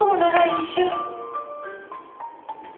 一瞬？